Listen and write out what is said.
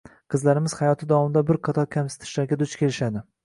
qizlarimiz hayoti davomida bir qator kamsitishlarga duch kelishadi